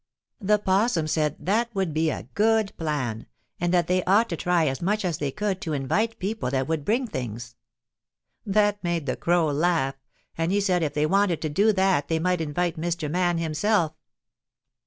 The 'Possum said that would be a good plan, and that they ought to try as much as they could to invite people that would bring things. That made the Crow laugh, and he said if they wanted to do that they might invite Mr. Man himself.